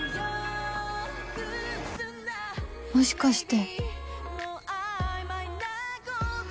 もしかして